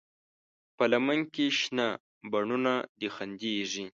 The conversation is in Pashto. په لمن کې شنه بڼوڼه دي خندېږي